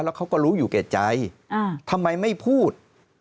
แล้วเขาก็รู้อยู่แก่ใจทำไมไม่พูด